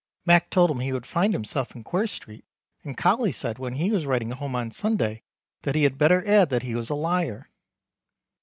Mac told him he would find himself in Queer Street and Colly said when he was writing home on Sunday that he had better add that he was a liar.